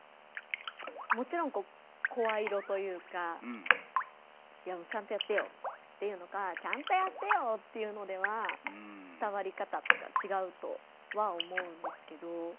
もちろん声色というか「いやちゃんとやってよ」って言うのか「ちゃんとやってよ」って言うのでは伝わり方とかちがうとは思うんですけど。